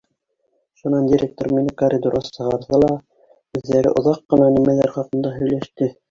Шунан директор мине коридорға сығарҙы ла, үҙҙәре оҙаҡ ҡына нимәлер хаҡында һөйләште.